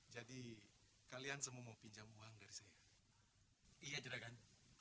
jadi kalian semua mau pinjam uang dari saya iya juragan